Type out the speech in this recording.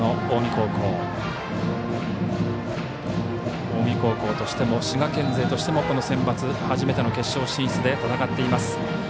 近江高校としても滋賀県勢としてもこのセンバツ初めての決勝進出で戦っています。